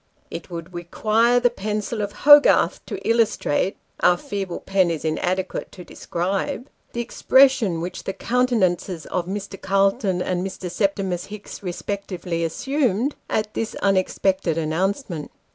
It would require the pencil of Hogarth to illustrate our feeble pen is inadequate to describe the expression which the countenances ot Mr. Calton and Mr. Septimus Hicks respectively assumed, at this un expected announcement.